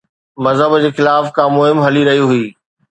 مذهب جي خلاف ڪا مهم هلي رهي هئي؟